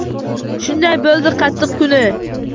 Shunday bo‘ldi qattiq kuni.